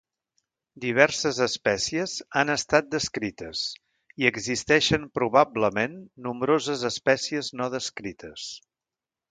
Diverses espècies han estat descrites i existeixen probablement nombroses espècies no descrites.